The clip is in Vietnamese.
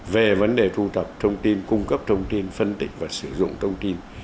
về vấn đề thu thập thông tin cung cấp thông tin phân tích và sử dụng thông tin